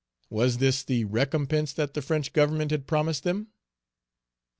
Was this the recompense that the French Government had promised them?"